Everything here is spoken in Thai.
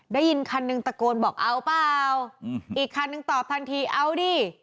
ได้ยินคันหนึ่งตะโกนบอกเอาเปล่าอีกคันนึงตอบทันทีเอาดิ